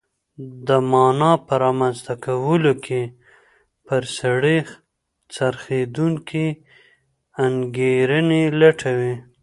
د مانا په رامنځته کولو کې پر سړي څرخېدونکې انګېرنې لټوي.